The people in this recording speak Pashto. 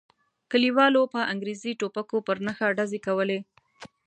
کلیوالو په انګریزي ټوپکو پر نښه ډزې کولې.